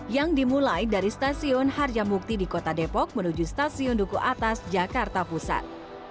yang dimulai dari stasiun harjamukti di kota depok menuju stasiun duku atas jakarta pusat